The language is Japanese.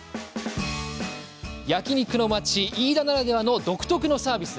焼肉のまち、飯田ならではの独特のサービス。